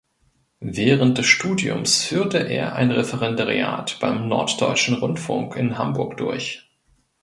Während des Studiums führte er ein Referendariat beim Norddeutschen Rundfunk in Hamburg durch.